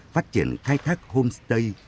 phát triển khai thác homestay